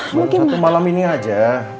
semoga malam ini aja